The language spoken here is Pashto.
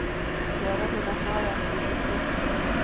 تیاره د ناپوهۍ استازیتوب کوي.